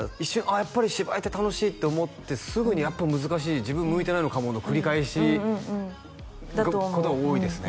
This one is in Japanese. やっぱり芝居って楽しいって思ってすぐにやっぱ難しい自分向いてないのかもの繰り返しうんうんうんだと思うことが多いですね